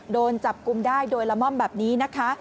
โดนจับกลุ่มได้โดยละม่อมแบบนี้นะคะ